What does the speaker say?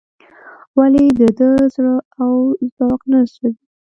ولې د ده زړه او ذوق نه سوزي.